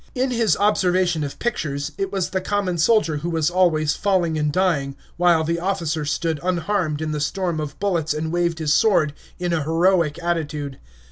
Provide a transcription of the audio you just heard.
In his observation of pictures, it was the common soldier who was always falling and dying, while the officer stood unharmed in the storm of bullets and waved his sword in a heroic attitude.